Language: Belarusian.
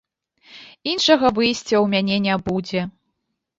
Іншага выйсця ў мяне не будзе.